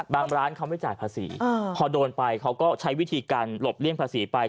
ร้านเขาไม่จ่ายภาษีพอโดนไปเขาก็ใช้วิธีการหลบเลี่ยงภาษีไป